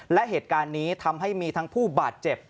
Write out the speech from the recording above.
และเหตุการณ์นี้ทำให้มีทั้งผู้บาดเจ็บ